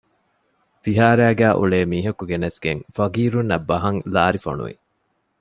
ފިހާރައިގައި އުޅޭ މީހަކު ގެނެސްގެން ފަޤީރުންނަށް ބަހަން ލާރި ފޮނުވި